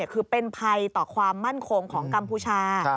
คือเป็นภัยต่อความมั่นคงของกัมพูชา